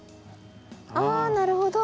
あなるほど。